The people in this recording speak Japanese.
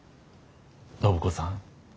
暢子さん